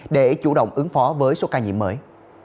để chủ động ứng phó với số ca nhiễm mới